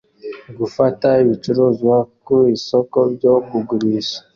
Gufata ibicuruzwa ku isoko byo kugurisha